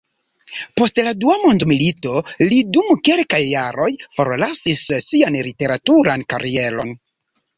Post la Dua mondmilito li dum kelkaj jaroj forlasis sian literaturan karieron.